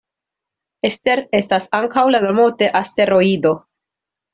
Ester estas ankaŭ la nomo de asteroido.